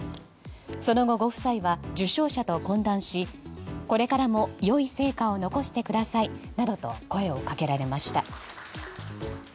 その後、ご夫妻は受賞者と懇談しこれからも良い成果を残してくださいなどと声をかけられました。